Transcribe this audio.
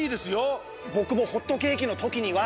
ぼくもホットケーキのときには。